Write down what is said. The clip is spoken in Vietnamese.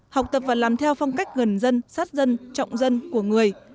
học tập và làm theo phong cách gần dân sát dân trọng dân của người